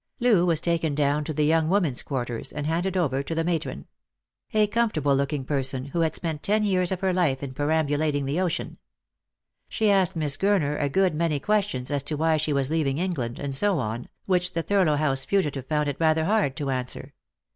Loo was taken down to the young women's quarters, and handed over to the matron ; a comfortable looking person, who had spent ten years of her life in perambulating the ocean. She asked Miss Gurner a good many questions as to why she was leaving England, and so on, which the Thurlow House fugitive found it rather hard to answer.